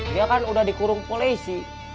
dia kan udah dikurung polisi